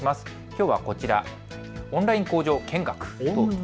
きょうはこちら、オンライン工場見学。